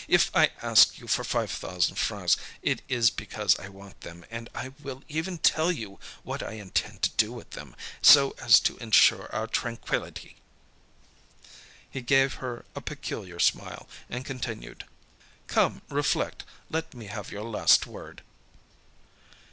If I ask you for 5,000 francs it is because I want them; and I will even tell you what I intend to do with them, so as to ensure our tranquillity." He gave her a peculiar smile, and continued: "Come, reflect, let me have your last word."